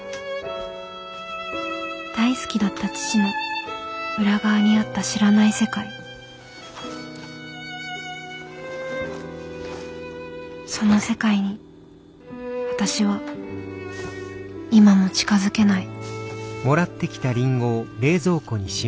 大好きだった父の裏側にあった知らない世界その世界に私は今も近づけない